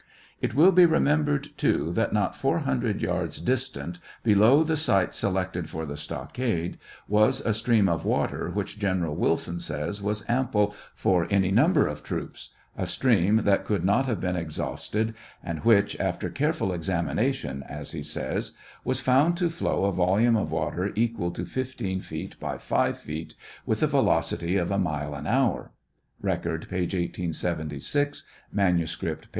It will be remembered, too, that not 400 yards distant, below the site selected for the stockade, was a stream of water which General Wilson says was ample for any number of troops, a stream that could not have been exhausted, and which, after careful examination, as he says, was found to flow a volume of water equal to 15 feet by 5 feet, with a velocity of a mile an hour, (Record, p. 1876 ; manuscript, p.